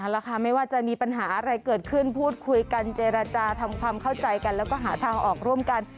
แล้วค่ะไม่ว่าจะมีปัญหาอะไรเกิดขึ้นพูดคุยกันเจรจาทำความเข้าใจกันแล้วก็หาทางออกร่วมกัน